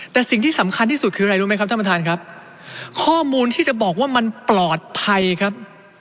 แต่สิ่งที่สำคัญที่สุดคืออะไรรู้ไหมครับท่านประธานครับข้อมูลที่จะบอกว่ามันปลอดภัยครับ